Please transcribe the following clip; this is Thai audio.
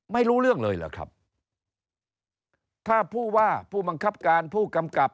ไม่รู้เรื่องเลยเหรอครับถ้าผู้ว่าผู้บังคับการผู้กำกับ